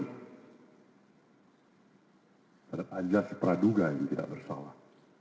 terhadap ajas praduga yang tidak bersalah